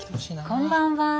こんばんは。